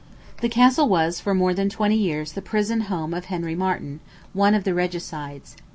This castle was for more than twenty years the prison home of Henry Marten, one of the regicides.